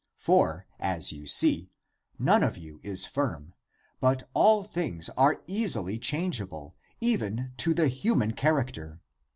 For, as you see, none of you is firm, but all things are easily changeable, even to the human character.